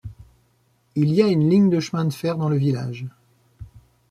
Il y a une ligne de chemin de fer dans le village.